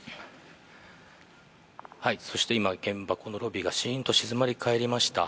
そして今、現場、このロビーがしんと静まり返りました。